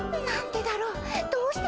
何でだろう？